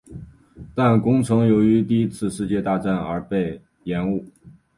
但工程由于第一次世界大战而被延误。